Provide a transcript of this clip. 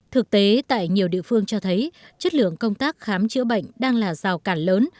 thực tế tại nhiều địa phương cho thấy chất lượng công tác khám chữa bệnh đang là rào cản lớn